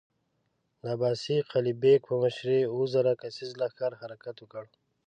د عباس قلي بېګ په مشری اووه زره کسيز لښکر حرکت وکړ.